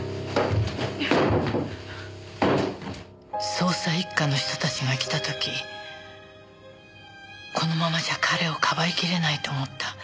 捜査一課の人たちが来た時このままじゃ彼をかばいきれないと思った。